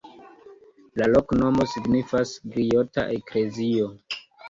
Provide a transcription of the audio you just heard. La loknomo signifas: griota-eklezio.